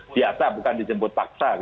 biasa bukan dijemput paksa